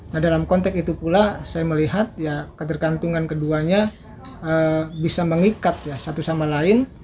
nah dalam konteks itu pula saya melihat ya ketergantungan keduanya bisa mengikat ya satu sama lain